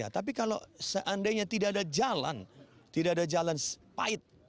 tapi kalau seandainya tidak ada jalan tidak ada jalan pahit